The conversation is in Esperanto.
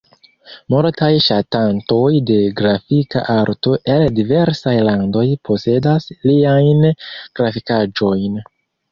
Multaj ŝatantoj de grafika arto el diversaj landoj posedas liajn grafikaĵojn.